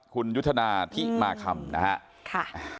คุณยุทธนาทิมาคำนะครับ